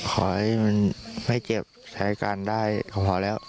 ขอให้มันไม่เก็บใช้การได้พอแล้ว